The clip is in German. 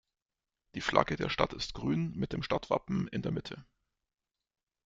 Die Flagge der Stadt ist grün mit dem Stadtwappen in der Mitte.